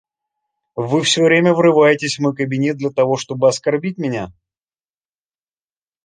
Вы все время врываетесь в мой кабинет для того, чтобы оскорбить меня.